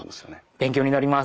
勉強になります。